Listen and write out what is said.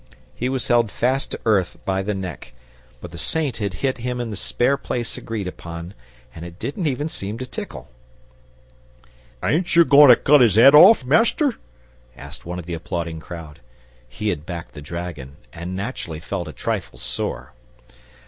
He was held fast to earth by the neck, but the Saint had hit him in the spare place agreed upon, and it didn't even seem to tickle. "Bain't you goin' to cut 'is 'ed orf, master?" asked one of the applauding crowd. He had backed the dragon, and naturally felt a trifle sore.